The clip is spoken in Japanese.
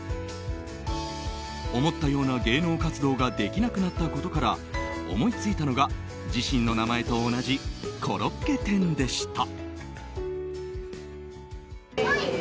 思ったような芸能活動ができなくなったことから思いついたのが自身の名前と同じコロッケ店でした。